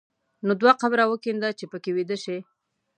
نو دوه قبره وکینده چې په کې ویده شې.